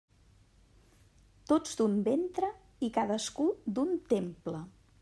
Tots d'un ventre, i cadascú d'un temple.